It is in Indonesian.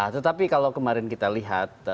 tetapi kalau kemarin kita lihat